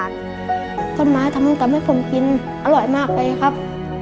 ส่วนหม้าทำข้ากินอล่อยมากเลยครับ